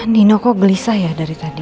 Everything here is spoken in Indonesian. nino kok gelisah ya dari tadi